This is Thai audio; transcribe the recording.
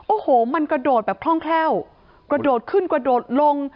โอ้โหมันกระโดดแบบคล่องแคล่วกระโดดขึ้นกระโดดลง